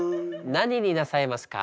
何になさいますか？